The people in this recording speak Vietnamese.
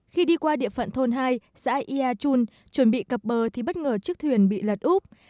khi đi qua địa phận thôn hai xã ia chun chuẩn bị cập bờ thì bất ngờ chiếc thuyền bị lật úp